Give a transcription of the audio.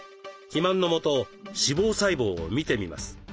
肥満のもと脂肪細胞を見てみます。